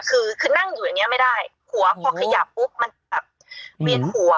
คือคือนั่งอยู่อย่างเงี้ยไม่ได้หัวพอขยับปุ๊บมันแบบเวียนหัว